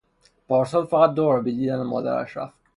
پارسال فقط دوبار به دیدن مادرش رفت.